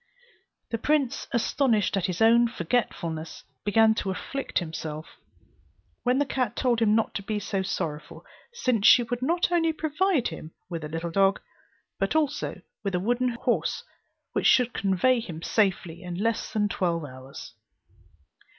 The prince, astonished at his own forgetfulness, began to afflict himself; when the cat told him not to be so sorrowful, since she would not only provide him with a little dog, but also with a wooden horse which should convey him safely in less than twelve hours.